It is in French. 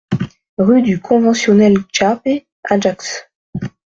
Rue du Conventionnel Chiappe, Ajaccio